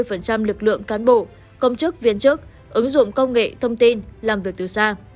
tỉnh phú thỏ yêu cầu tổ chức cho cán bộ công chức viên chức ứng dụng công nghệ thông tin làm việc từ xa